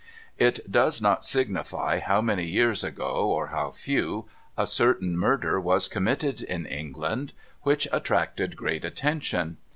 It does not signify how many years ago, or how few, a certain murder was committed in England, which attracted great attention.